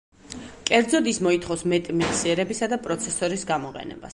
კერძოდ, ის მოითხოვს მეტი მეხსიერებისა და პროცესორის გამოყენებას.